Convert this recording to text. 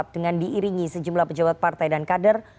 dengan diiringi sejumlah pejabat partai dan kader